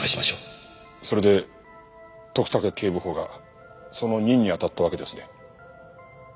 それで徳武警部補がその任に当たったわけですね。